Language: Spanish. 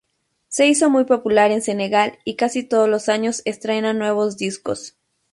Se hizo muy popular en Senegal y casi todos los años estrena nuevos discos.